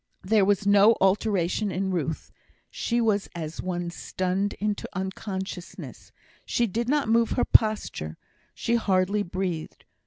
There was no alteration in Ruth; she was as one stunned into unconsciousness; she did not move her posture, she hardly breathed.